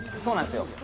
そうなんですよ